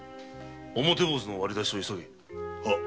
表坊主の割り出しを急げ。